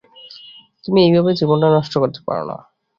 তুমি এইভাবে জীবনটা নষ্ট করতে পার না।